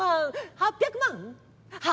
８００万！